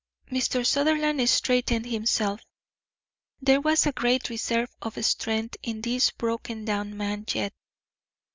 Mr. Sutherland straightened himself; there was a great reserve of strength in this broken down man yet.